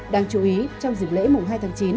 đáng chú ý trong dịp lễ mùng hai tháng chín